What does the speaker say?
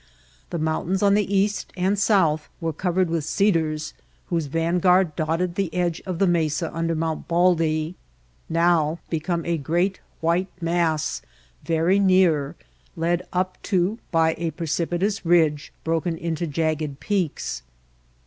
The mountains on the east and south were covered with cedars whose van guard dotted the edge of the mesa under Mount Baldy, now become a great white mass, very near, led up to by a precipitous ridge broken into jagged peaks.